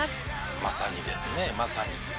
「まさにですねまさに」